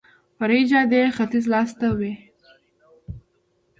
فرعي جادې ختیځ لاس ته وه.